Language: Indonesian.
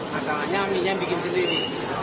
masalahnya mie nya bikin sendiri